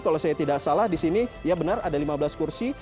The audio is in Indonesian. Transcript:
kalau saya tidak salah di sini ya benar ada lima belas kursi